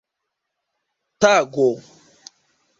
tago